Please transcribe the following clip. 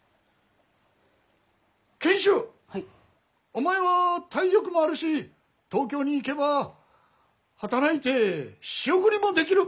お前は体力もあるし東京に行けば働いて仕送りもできる。